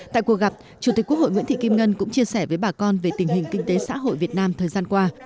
tại cuộc gặp chủ tịch quốc hội nguyễn thị kim ngân cũng chia sẻ với bà con về tình hình kinh tế xã hội việt nam thời gian qua